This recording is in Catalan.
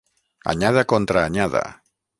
Anyada contra anyada.